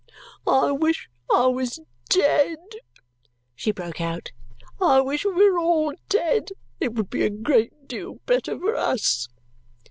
"I wish I was dead!" she broke out. "I wish we were all dead. It would be a great deal better for us."